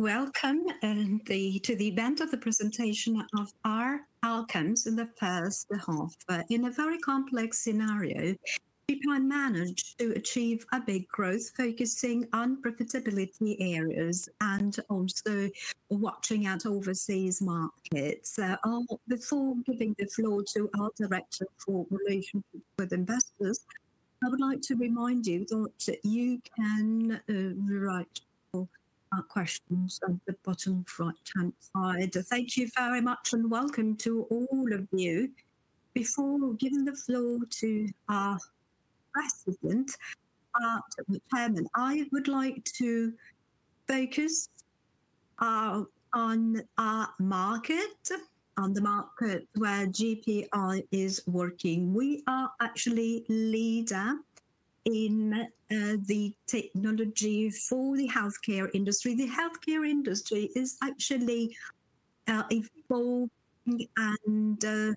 Welcome to the event of the presentation of our outcomes in the first half. In a very complex scenario, people have managed to achieve a big growth, focusing on profitability areas and also watching out overseas markets. Before giving the floor to our director for relationship with investors, I would like to remind you that you can write your questions on the bottom right-hand side. Thank you very much, and welcome to all of you. Before giving the floor to our president, chairman, I would like to focus on our market, on the market where GPI is working. We are actually leader in the technology for the healthcare industry. The healthcare industry is actually evolving and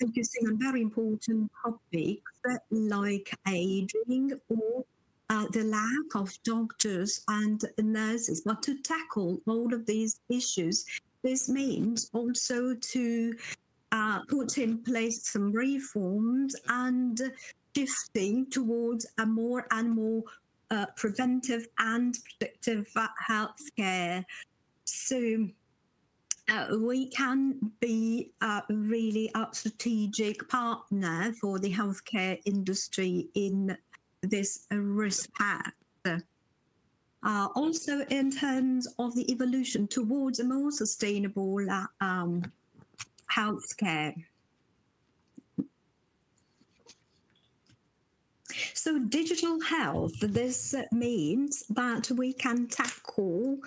focusing on very important topics like aging or the lack of doctors and nurses. But to tackle all of these issues, this means also to put in place some reforms and shifting towards a more and more preventive and predictive healthcare. So, we can be a really a strategic partner for the healthcare industry in this respect. Also, in terms of the evolution towards a more sustainable healthcare. So digital health, this means that we can tackle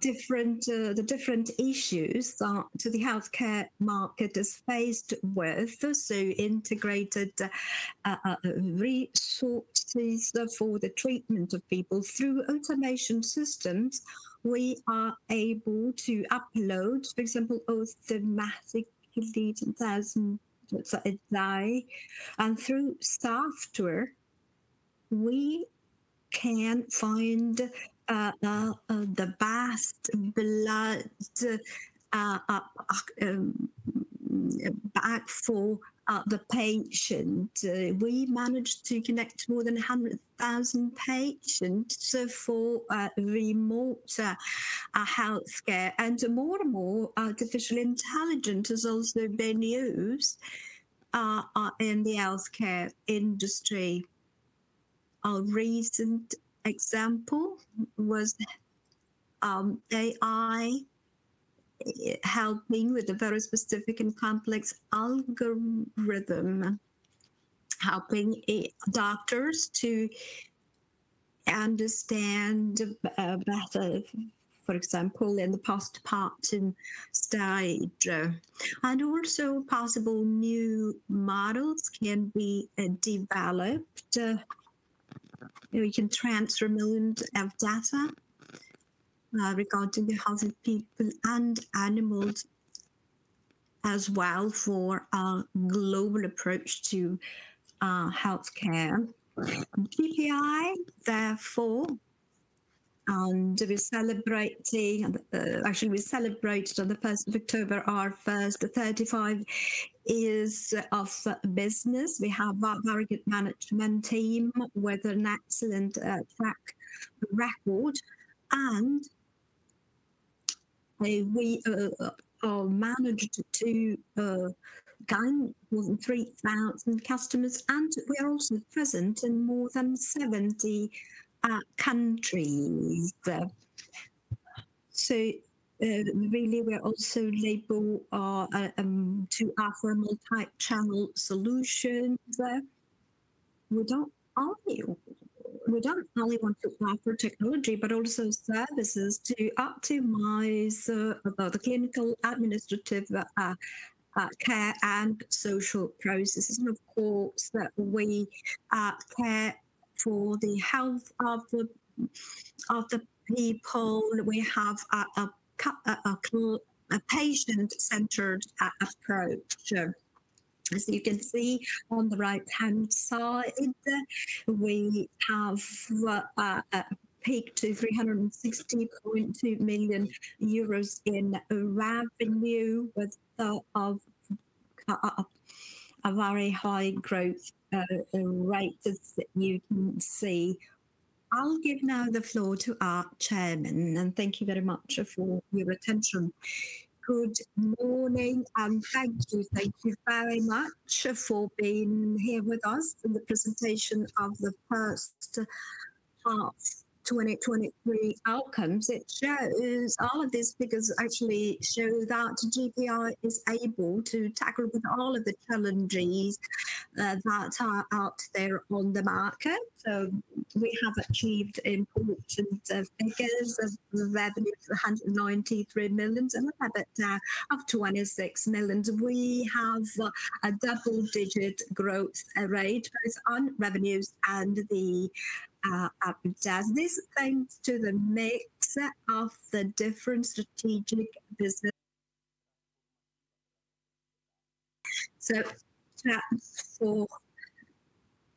different the different issues to the healthcare market is faced with, so integrated resources for the treatment of people. Through automation systems, we are able to upload, for example, ophthalmic images and AI, and through software, we can find the best blood back for the patient. We managed to connect more than 100,000 patients, so for remote healthcare. More and more artificial intelligence has also been used in the healthcare industry. A recent example was AI helping with a very specific and complex algorithm, helping doctors to understand better, for example, in the postpartum stage. And also possible new models can be developed. We can transfer millions of data regarding the health of people and animals as well, for a global approach to healthcare. GPI, therefore, and we're celebrating... Actually, we celebrated on the first of October, our first 35 years of business. We have a very good management team with an excellent track record, and we managed to gain more than 3,000 customers, and we are also present in more than 70 countries. So, really, we're also able to offer multi-channel solutions there. We don't only, we don't only want to offer technology, but also services to optimize the clinical, administrative, care and social processes. And of course, that we care for the health of the people. We have a patient-centered approach. So as you can see on the right-hand side, we have peaked to 360.2 million euros in revenue, with a very high growth rates as you can see. I'll give now the floor to our chairman, and thank you very much for your attention. Good morning, and thank you. Thank you very much for being here with us in the presentation of the first half 2023 outcomes. It shows all of these figures actually show that GPI is able to tackle with all of the challenges that are out there on the market. So we have achieved important figures of revenue, 193 million and EBITDA of 26 million. We have a double-digit growth rate on revenues and the EBITDA. This is thanks to the mix of the different strategic business-... So as for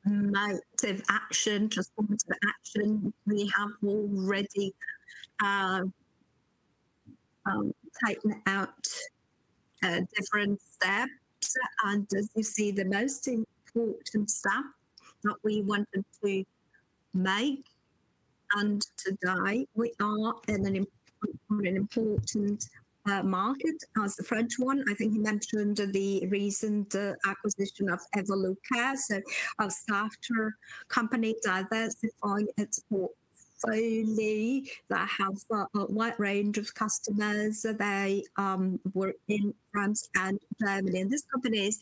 M&A, transformative action, we have already taken out different steps. And as you see, the most important step that we wanted to make, and today we are in an important market as the French one. I think you mentioned the recent acquisition of Evolucare, so a software company diversifying its portfolio that has a wide range of customers. They work in France and Germany. This company is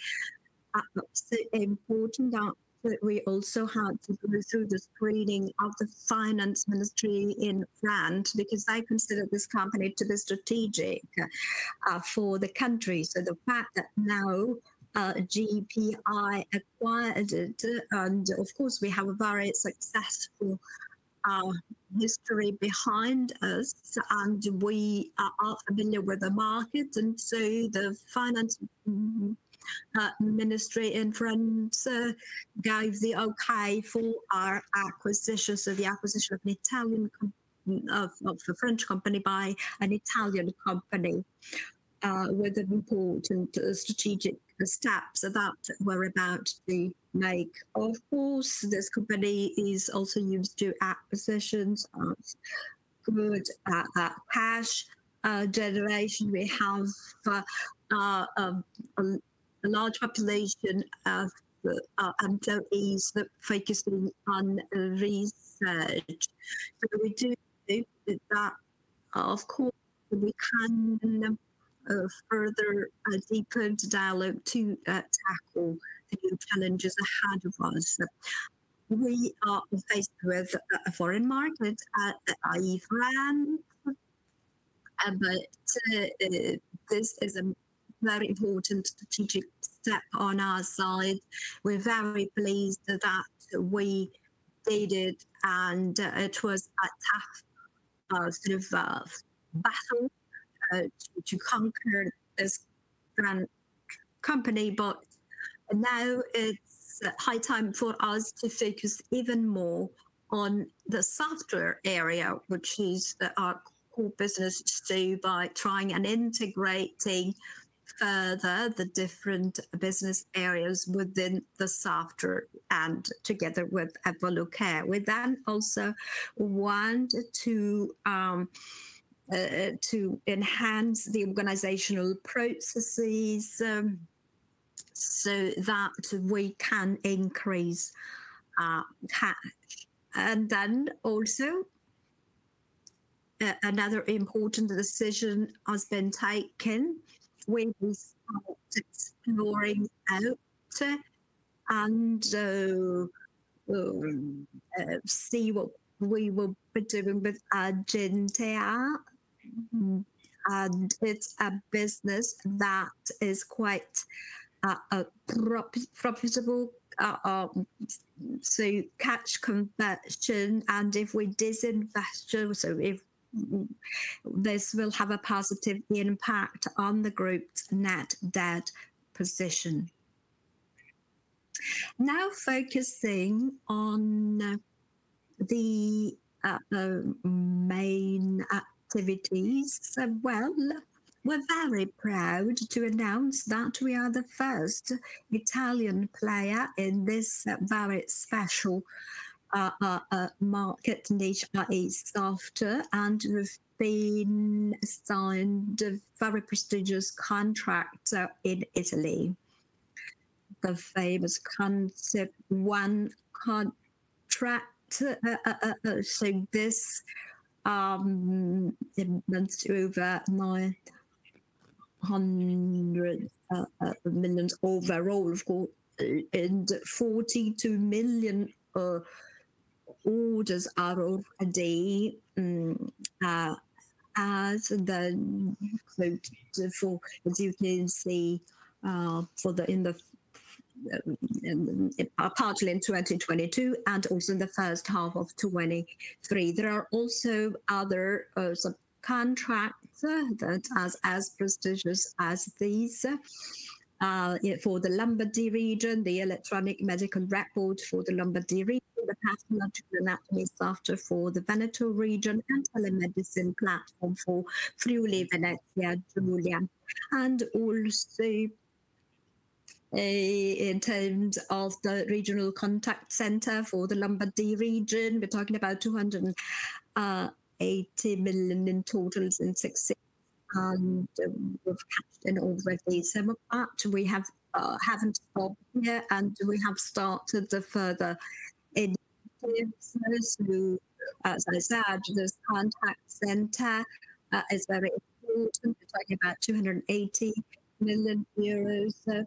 so important that we also had to go through the screening of the finance ministry in France, because they consider this company to be strategic for the country. So the fact that now GPI acquired it, and of course, we have a very successful history behind us, and we are familiar with the market. And so the finance ministry in France gave the okay for our acquisition. So the acquisition of a French company by an Italian company were the important strategic steps that we're about to make. Of course, this company is also used to acquisitions good cash generation. We have a large population of employees that focusing on research. So we do think that, of course, we can further a deeper dialogue to tackle the challenges ahead of us. We are faced with a foreign market, i.e., France, but this is a very important strategic step on our side. We're very pleased that we did it, and it was a tough sort of battle to conquer this French company. But now it's high time for us to focus even more on the software area, which is our core business, too, by trying and integrating further the different business areas within the software and together with Evolucare. We then also want to enhance the organizational processes so that we can increase our cash. And then also, another important decision has been taken. We've started exploring out, and so, see what we will be doing with Argentea. Mm-hmm. And it's a business that is quite profitable, so cash conversion, and if we disinvest, also if this will have a positive impact on the group's net debt position. Now focusing on the main activities. So well, we're very proud to announce that we are the first Italian player in this very special market niche that is software, and we've been signed a very prestigious contract in Italy. The famous Consip 1 Contract, so this amounts to over 900 million overall, of course, and 42 million orders out of a day, as the quote for the agency, for the in the, partly in 2022 and also in the first half of 2023. There are also other contracts that as, as prestigious as these, for the Lombardy Region, the electronic medical record for the Lombardy Region, the pathological anatomy software for the Veneto Region, and telemedicine platform for Friuli-Venezia Giulia. Also, in terms of the regional contact center for the Lombardy region, we're talking about 280 million in total and 6,000 of cash in order. Apart, we have, haven't stopped here, and we have started the further investments. So as I said, this contact center is very important. We're talking about 280 million euros,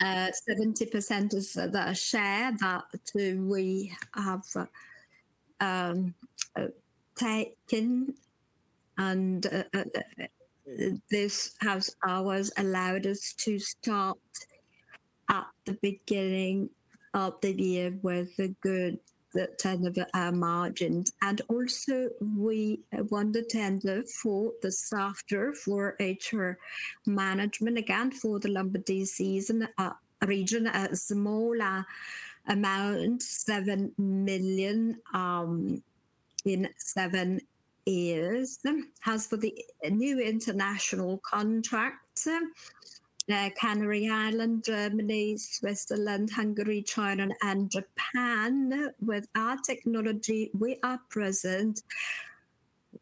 70% of the share that we have taken, and this has always allowed us to start the year with good margins. We also won the tender for the software for HR management, again, for the Lombardy Region, a small amount, 7 million in seven years. Then as for the new international contract, Canary Islands, Germany, Switzerland, Hungary, China, and Japan, with our technology, we are present.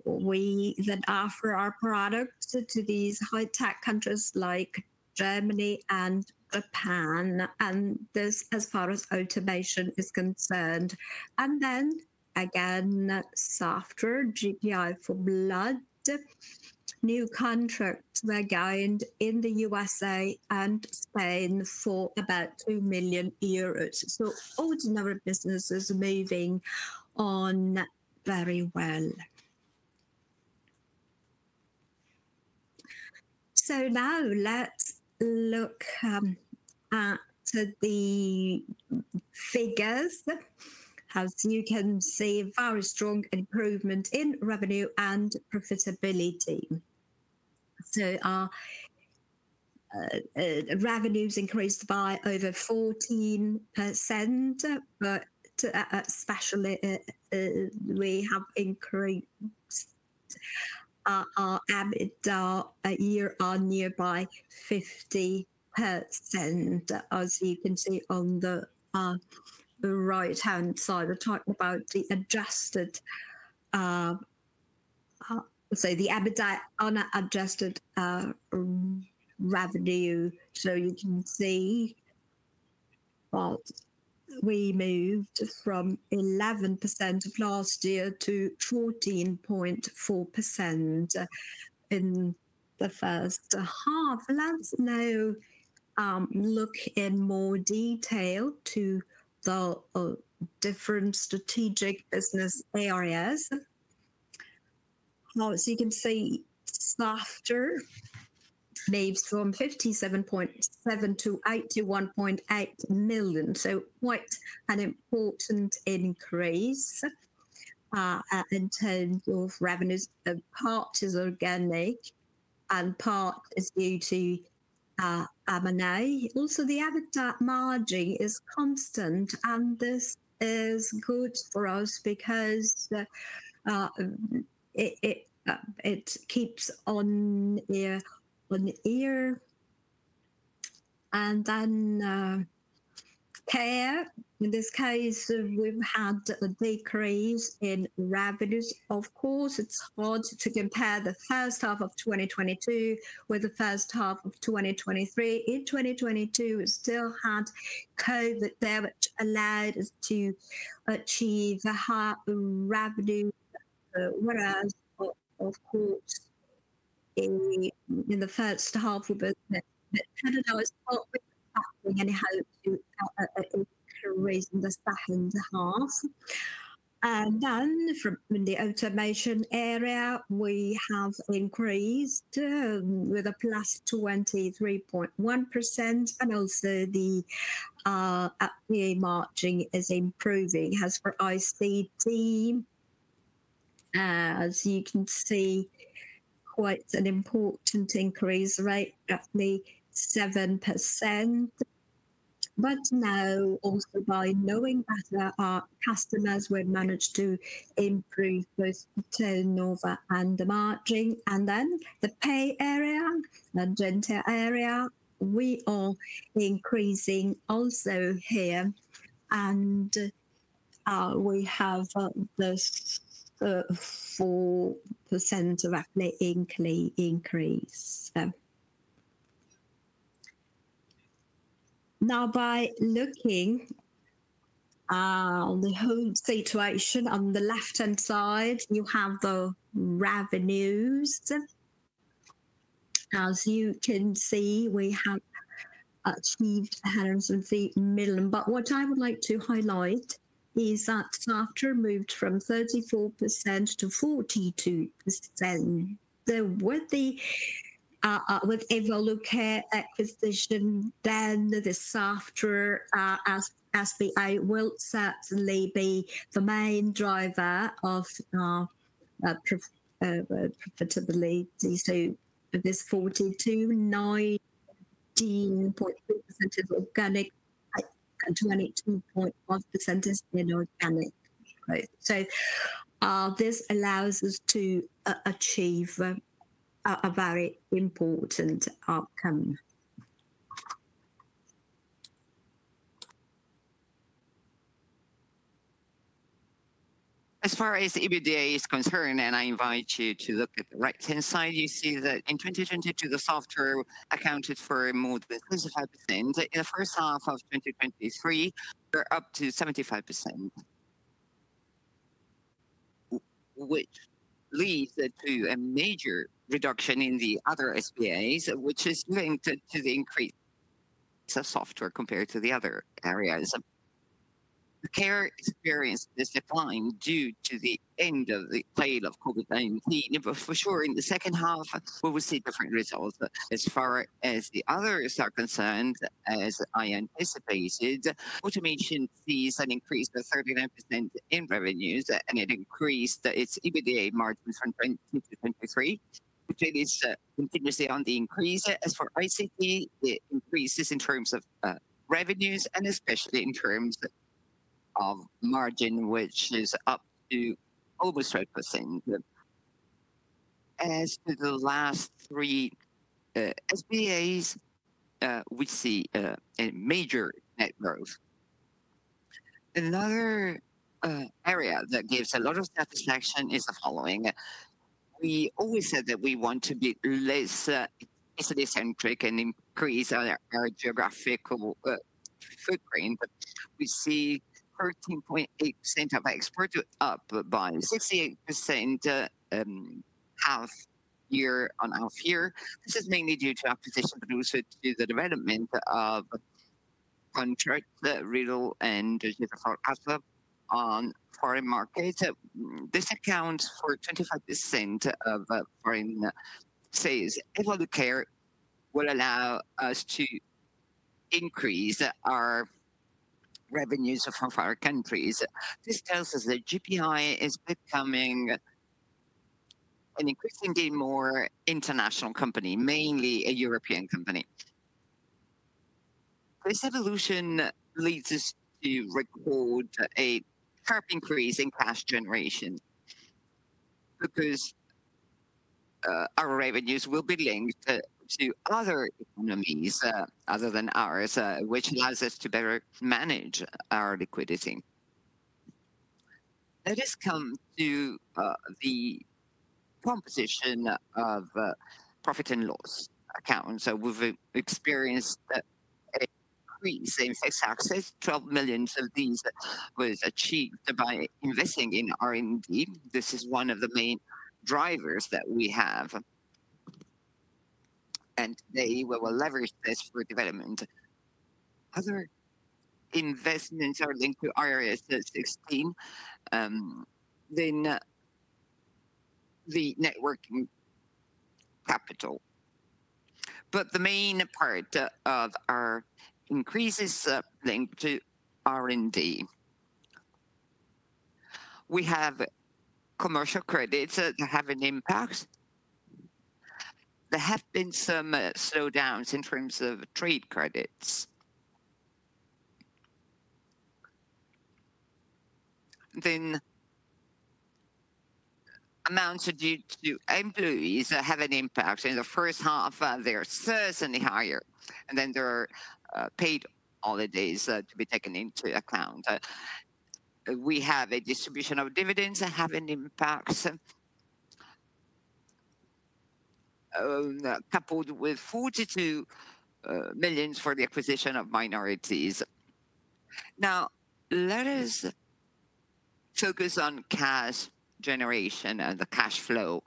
We then offer our products to these high-tech countries like Germany and Japan, and this as far as automation is concerned. And then again, software, GPI for Blood, new contracts were gained in the USA and Spain for about 2 million euros. So ordinary business is moving on very well. So now let's look at the figures. As you can see, very strong improvement in revenue and profitability. So our revenues increased by over 14%, but especially we have increased our EBITDA year-on-year by 50%, as you can see on the right-hand side. We're talking about the Adjusted, so the EBITDA on adjusted revenue. So you can see that we moved from 11% of last year to 14.4% in the first half. Let's now look in more detail to the different strategic business areas. Now, as you can see, software moves from 57.7 million-81.8 million, so quite an important increase in terms of revenues. Part is organic and part is due to M&A. Also, the EBITDA margin is constant, and this is good for us because it keeps on year on year. And then, Care, in this case, we've had a decrease in revenues. Of course, it's hard to compare the first half of 2022 with the first half of 2023. In 2022, we still had COVID there, which allowed us to achieve a high revenue. Whereas, of course, in the first half of the... And then from the automation area, we have increased with a +23.1%, and also the EBITDA margin is improving. As for ICD, as you can see, quite an important increase, right? Nearly 7%. But now, also by knowing better our customers, we've managed to improve both turnover and the margin. And then the Pay area, Argentea area, we are increasing also here, and we have those 4% of EBITDA increase. Now by looking on the whole situation, on the left-hand side, you have the revenues. As you can see, we have achieved hundreds of millions of euros. But what I would like to highlight is that software moved from 34%-42%. So with the Evolucare acquisition, then the software will certainly be the main driver of our profitability. So this 42.9% is organic, and 22.1% is inorganic. Right. So this allows us to achieve a very important outcome. As far as EBITDA is concerned, and I invite you to look at the right-hand side, you see that in 2022, the software accounted for more than 55%. In the first half of 2023, we're up to 75%, which leads to a major reduction in the other S.p.A.s, which is linked to the increase of software compared to the other areas.... The care experience is declining due to the end of the tail of COVID-19. But for sure, in the second half, we will see different results. But as far as the others are concerned, as I anticipated, automation fees had increased by 39% in revenues, and it increased its EBITDA margins from 20%-23%, which it is continuously on the increase. As for ICT, it increases in terms of revenues and especially in terms of margin, which is up to over 30%. As to the last three S.p.A.s, we see a major net growth. Another area that gives a lot of satisfaction is the following: We always said that we want to be less city-centric and increase our geographical footprint, but we see 13.8% of our export up by 68%, half year on half year. This is mainly due to acquisition, but also to the development of Contract Riedl and Jennifer Castle on foreign markets. This accounts for 25% of foreign sales. Evolucare will allow us to increase our revenues from foreign countries. This tells us that GPI is becoming an increasingly more international company, mainly a European company. This evolution leads us to record a sharp increase in cash generation, because our revenues will be linked to other economies other than ours, which allows us to better manage our liquidity. Let us come to the composition of profit and loss accounts. So we've experienced an increase in tax success. 12 million of these was achieved by investing in R&D. This is one of the main drivers that we have, and they will leverage this for development. Other investments are linked to R&D, 16 million, then the net working capital. But the main part of our increase is linked to R&D. We have commercial credits that have an impact. There have been some slowdowns in terms of trade credits. Then, amounts due to employees have an impact. In the first half, they are certainly higher, and then there are paid holidays to be taken into account. We have a distribution of dividends that have an impact, coupled with 42 million for the acquisition of minorities. Now, let us focus on cash generation and the cash flow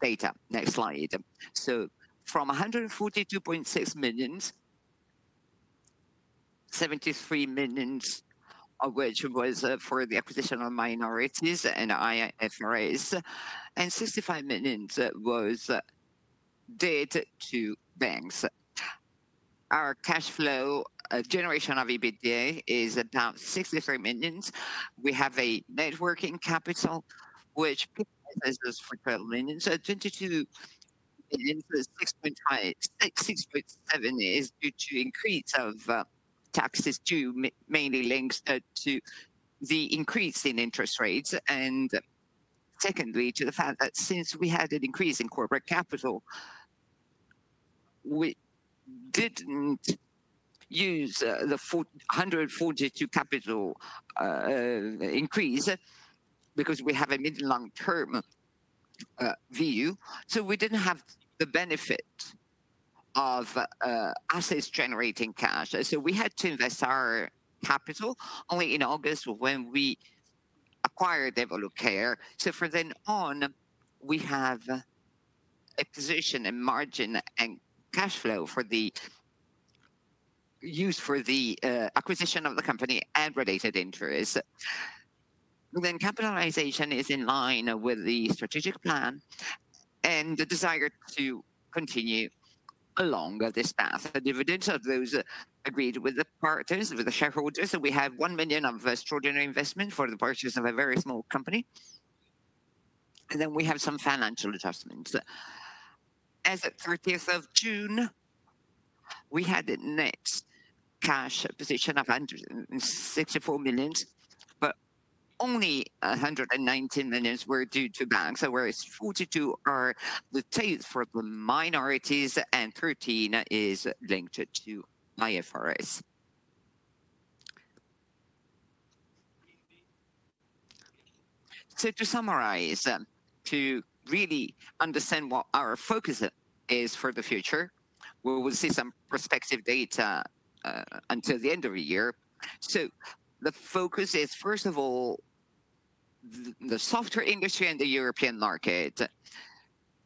data. Next slide. So from 142.6 million, 73 million of which was for the acquisition of minorities and IFRS, and 65 million was debt to banks. Our cash flow generation of EBITDA is about 63 million. We have a net working capital, which is 22 million. So 22 million plus 6.7 million is due to increase of taxes mainly linked to the increase in interest rates, and secondly, to the fact that since we had an increase in corporate capital, we didn't use the 442 capital increase, because we have a mid-long term view. So we didn't have the benefit of assets generating cash. So we had to invest our capital only in August when we acquired Evolucare. So from then on, we have acquisition and margin and cash flow for the use for the, acquisition of the company and related interests. Then capitalization is in line with the strategic plan and the desire to continue along this path. The dividends of those agreed with the partners, with the shareholders, so we have 1 million of extraordinary investment for the purchase of a very small company. And then we have some financial adjustments. As of 30th of June, we had a net cash position of 164 million, but only 119 million were due to banks, whereas 42 are retained for the minorities, and 13 is linked to IFRS. So to summarize, to really understand what our focus is for the future, we will see some prospective data until the end of the year. So the focus is, first of all, the software industry and the European market.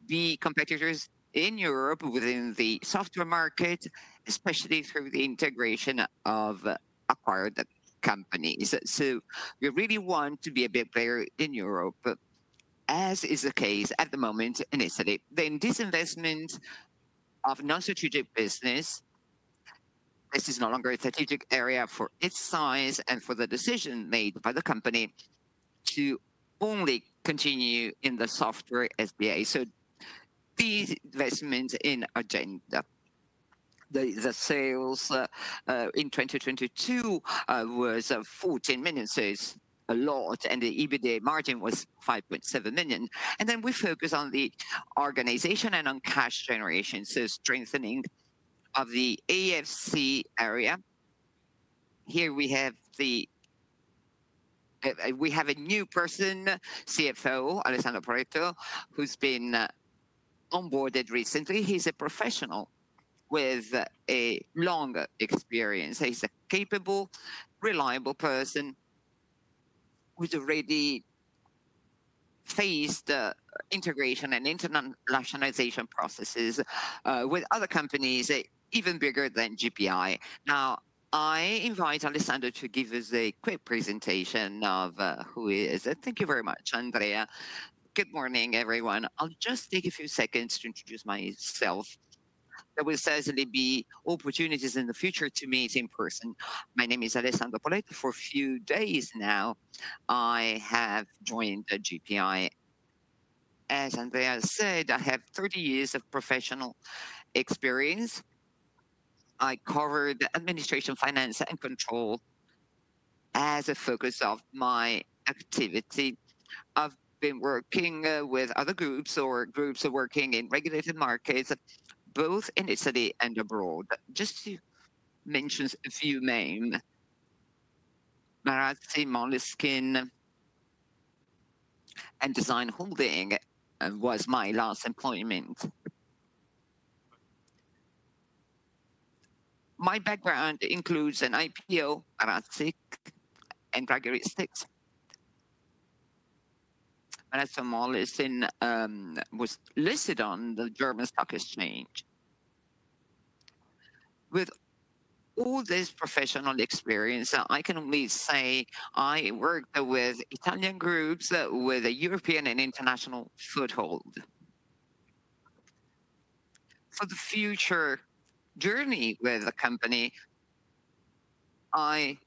The competitors in Europe within the software market, especially through the integration of acquired companies. So we really want to be a big player in Europe, as is the case at the moment in Italy. Then disinvestment of non-strategic business. This is no longer a strategic area for its size and for the decision made by the company to only continue in the software S.p.A. So these investments in Argentea. The sales in 2022 was fourteen million, so it's a lot, and the EBITDA margin was 5.7 million. Then we focus on the organization and on cash generation, so strengthening of the AFC area. Here we have a new person, CFO Alessandro Poletto, who's been onboarded recently. He's a professional with a longer experience. He's a capable, reliable person who's already faced integration and internationalization processes with other companies, even bigger than GPI. Now, I invite Alessandro to give us a quick presentation of who he is. Thank you very much, Andrea. Good morning, everyone. I'll just take a few seconds to introduce myself. There will certainly be opportunities in the future to meet in person. My name is Alessandro Poletto. For a few days now, I have joined GPI. As Andrea said, I have 30 years of professional experience. I cover the administration, finance, and control as a focus of my activity. I've been working with other groups or groups working in regulated markets, both in Italy and abroad. Just to mention a few names, Marzotto, Moleskine, and Design Holding was my last employment. My background includes an IPO, Marzotto, and GVS. Marzotto Moleskine was listed on the German Stock Exchange. With all this professional experience, I can only say I worked with Italian groups with a European and international foothold. For the future journey with the company, I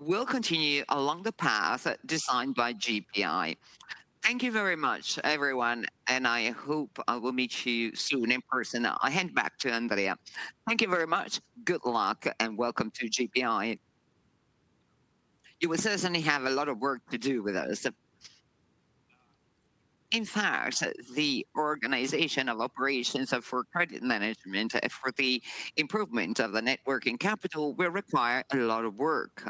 will continue along the path designed by GPI. Thank you very much, everyone, and I hope I will meet you soon in person. I hand back to Andrea. Thank you very much. Good luck, and welcome to GPI. You will certainly have a lot of work to do with us. In fact, the organization of operations for credit management and for the improvement of the net working capital will require a lot of work.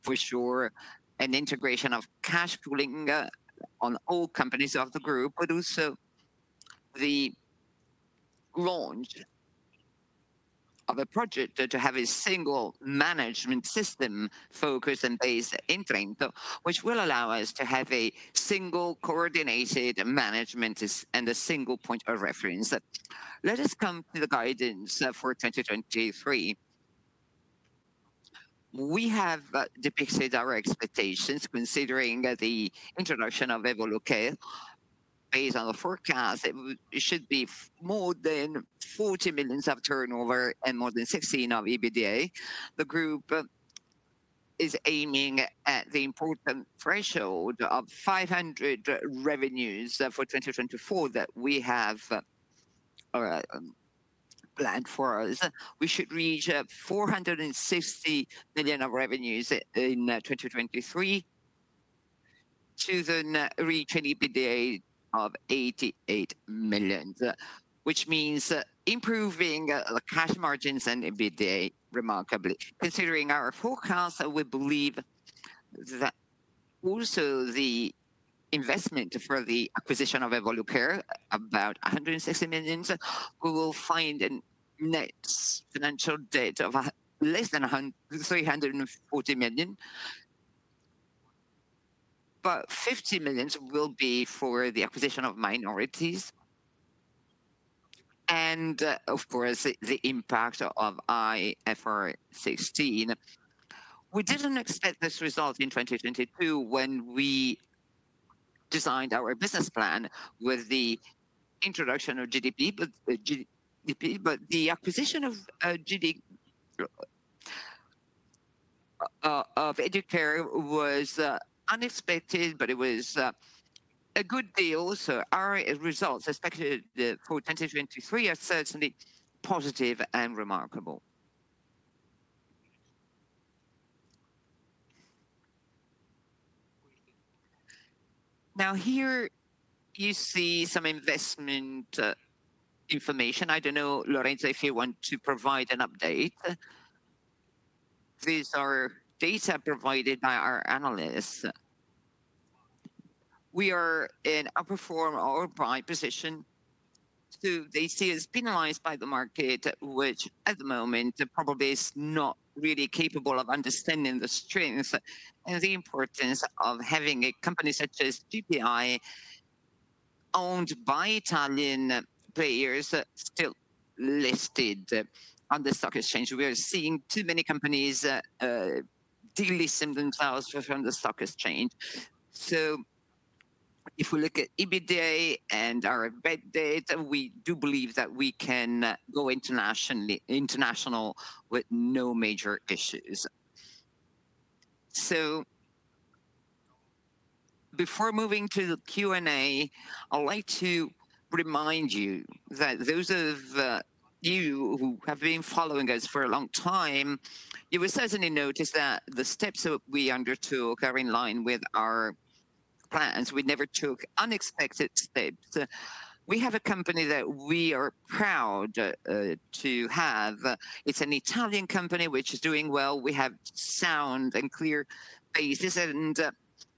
For sure, an integration of cash pooling on all companies of the group, but also the launch of a project to have a single management system focused and based in Trento, which will allow us to have a single coordinated management, and a single point of reference. Let us come to the guidance for 2023. We have depicted our expectations considering the introduction of Evolucare. Based on the forecast, it should be more than 40 million of turnover and more than 16 million of EBITDA. The group is aiming at the important threshold of 500 million revenues for 2024 that we have planned for us. We should reach 460 million of revenues in 2023, to then reach an EBITDA of 88 million, which means improving the cash margins and EBITDA remarkably. Considering our forecast, we believe that also the investment for the acquisition of Evolucare, about 160 million, we will find a net financial debt of less than 340 million. But 50 million will be for the acquisition of minorities and, of course, the impact of IFRS 16. We didn't expect this result in 2022 when we designed our business plan with the introduction of GPI, but the acquisition of Evolucare was unexpected, but it was a good deal. So our results, especially for 2023, are certainly positive and remarkable. Now, here you see some investment information. I don't know, Lorenzo, if you want to provide an update. These are data provided by our analysts. We are in a performing very positive position that they see as penalized by the market, which at the moment probably is not really capable of understanding the strength and the importance of having a company such as GPI, owned by Italian players, still listed on the stock exchange. We are seeing too many companies delisting themselves from the stock exchange. So if we look at EBITDA and our backlog, we do believe that we can go internationally with no major issues. So before moving to the Q&A, I'd like to remind you that those of you who have been following us for a long time, you will certainly notice that the steps that we undertook are in line with our plans. We never took unexpected steps. We have a company that we are proud to have. It's an Italian company which is doing well. We have sound and clear basis, and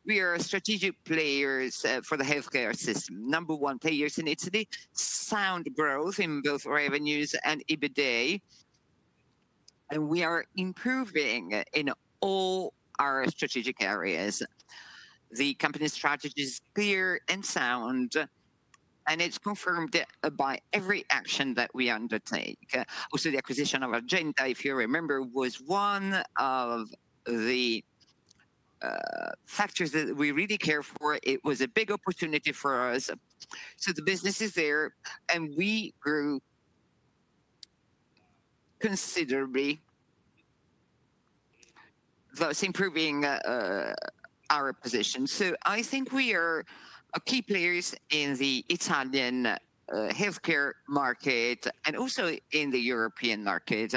we are strategic players for the healthcare system. Number one, players in Italy, sound growth in both revenues and EBITDA, and we are improving in all our strategic areas. The company's strategy is clear and sound, and it's confirmed by every action that we undertake. Also, the acquisition of Argentea, if you remember, was one of the factors that we really care for. It was a big opportunity for us. So the business is there, and we grew considerably, thus improving our position. So I think we are key players in the Italian healthcare market and also in the European market.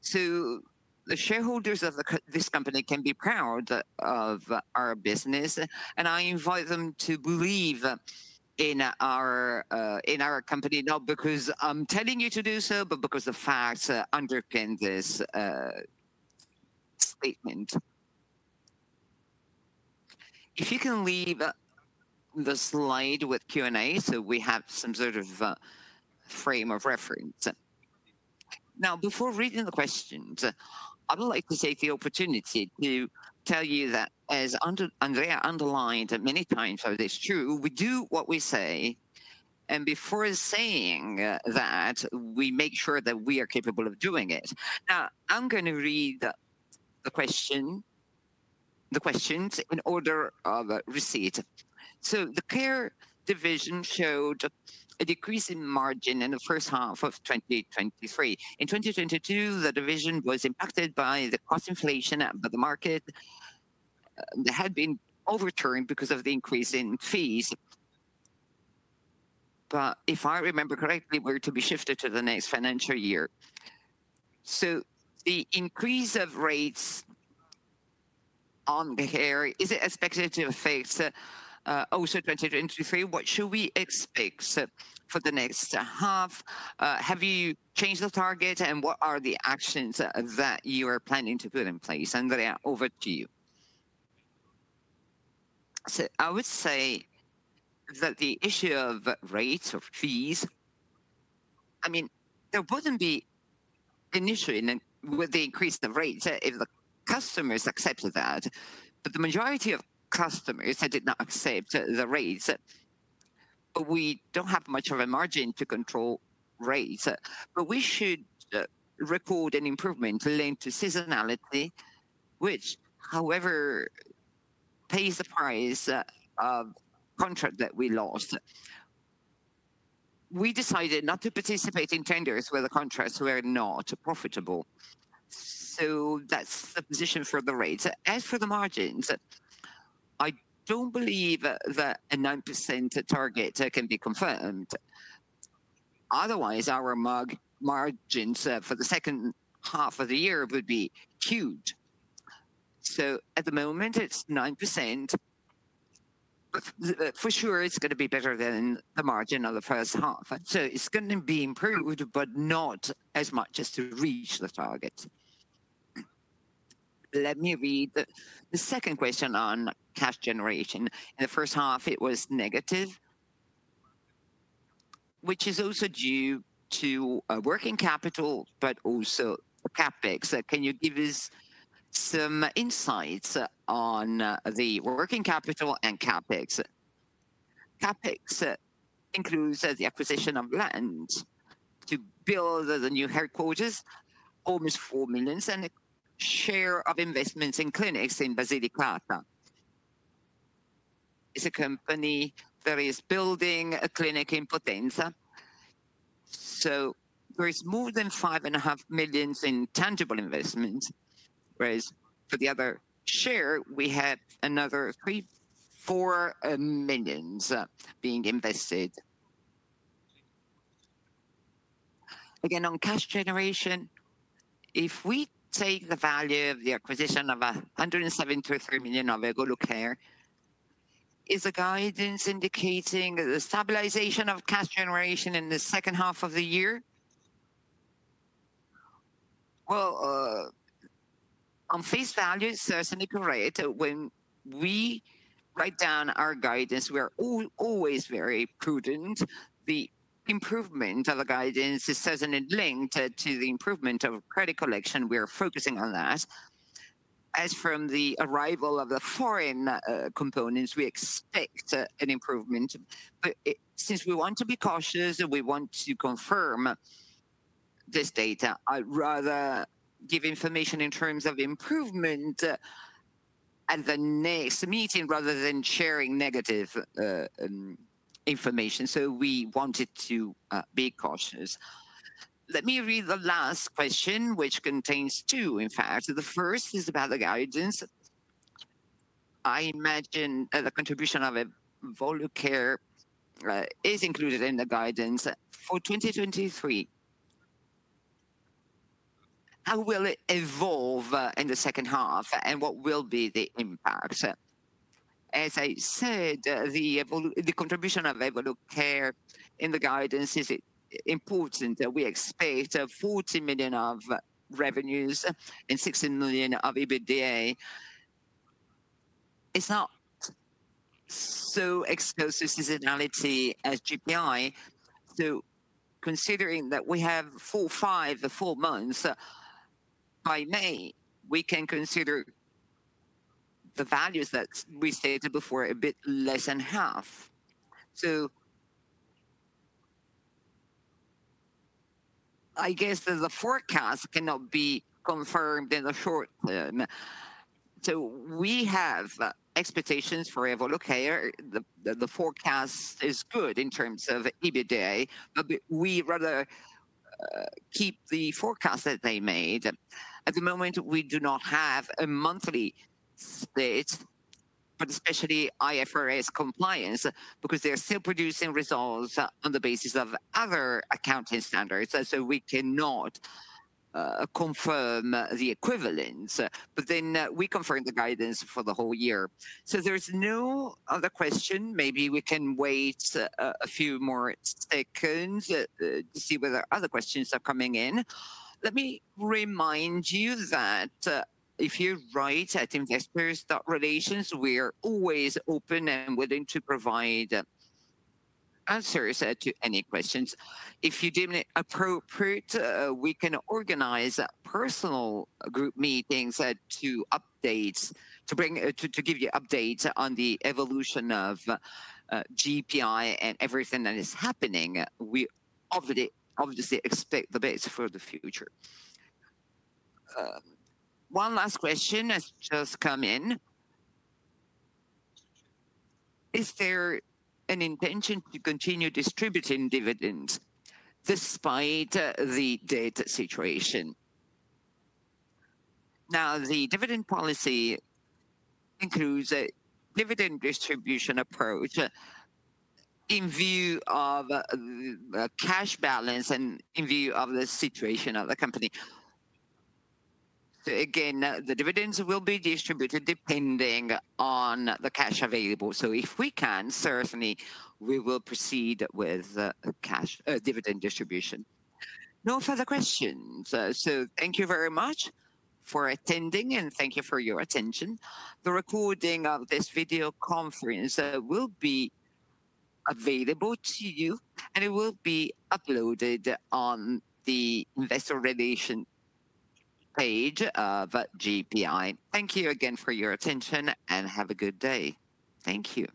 So the shareholders of this company can be proud of our business, and I invite them to believe in our company, not because I'm telling you to do so, but because the facts underpin this statement. If you can leave the slide with Q&A, so we have some sort of a frame of reference. Now, before reading the questions, I would like to take the opportunity to tell you that as Andrea underlined many times over this too, we do what we say, and before saying that, we make sure that we are capable of doing it. Now, I'm gonna read the questions in order of receipt. So the care division showed a decrease in margin in the first half of 2023. In 2022, the division was impacted by the cost inflation, and by the market had been overturned because of the increase in fees. But if I remember correctly, we're to be shifted to the next financial year. So the increase of rates on the care, is it expected to face also 2023? What should we expect for the next half? Have you changed the target, and what are the actions that you are planning to put in place? Andrea, over to you. So I would say that the issue of rates, of fees, I mean, there wouldn't be initially, then with the increase of rates, if the customers accepted that, but the majority of customers had did not accept the rates. We don't have much of a margin to control rates, but we should record an improvement linked to seasonality, which however pays the price of contract that we lost. We decided not to participate in tenders where the contracts were not profitable, so that's the position for the rates. As for the margins, I don't believe that a 9% target can be confirmed. Otherwise, our margins for the second half of the year would be huge. So at the moment, it's 9%, but the, for sure, it's gonna be better than the margin of the first half. So it's gonna be improved, but not as much as to reach the target. Let me read the second question on cash generation. In the first half, it was negative, which is also due to a working capital, but also CapEx. Can you give us some insights on the working capital and CapEx? CapEx includes the acquisition of land to build the new headquarters, almost 4 million, and a share of investments in clinics in Basilicata. It's a company that is building a clinic in Potenza, so there is more than 5.5 million in tangible investments, whereas for the other share, we had another three, four, millions being invested. Again, on cash generation, if we take the value of the acquisition of 173 million of Evolucare, is the guidance indicating the stabilization of cash generation in the second half of the year?... Well, on face value, certainly you're right. When we write down our guidance, we are always very prudent. The improvement of the guidance is certainly linked to the improvement of credit collection. We are focusing on that. As from the arrival of the foreign components, we expect an improvement. But since we want to be cautious and we want to confirm this data, I'd rather give information in terms of improvement at the next meeting, rather than sharing negative information. So we wanted to be cautious. Let me read the last question, which contains two, in fact. The first is about the guidance. "I imagine the contribution of Evolucare is included in the guidance for 2023. How will it evolve in the second half, and what will be the impact?" As I said, the contribution of Evolucare in the guidance is important, that we expect 40 million of revenues and 16 million of EBITDA. It's not so exposed to seasonality as GPI, so considering that we have four, five, the four months, by May, we can consider the values that we stated before, a bit less than half. So I guess the forecast cannot be confirmed in the short term. So we have expectations for Evolucare. The forecast is good in terms of EBITDA, but we rather keep the forecast that they made. At the moment, we do not have a monthly statement, but especially IFRS compliance, because they are still producing results on the basis of other accounting standards, so we cannot confirm the equivalence, but then we confirm the guidance for the whole year. So there's no other question. Maybe we can wait a few more seconds to see whether other questions are coming in. Let me remind you that, if you write to Investor Relations, we are always open and willing to provide answers to any questions. If you deem it appropriate, we can organize personal group meetings to update, to give you updates on the evolution of GPI and everything that is happening. We obviously, obviously expect the best for the future. One last question has just come in: "Is there an intention to continue distributing dividends despite the debt situation?" Now, the dividend policy includes a dividend distribution approach in view of cash balance and in view of the situation of the company. So again, the dividends will be distributed depending on the cash available. So if we can, certainly we will proceed with cash dividend distribution. No further questions. Thank you very much for attending, and thank you for your attention. The recording of this video conference will be available to you, and it will be uploaded on the investor relations page of GPI. Thank you again for your attention, and have a good day. Thank you.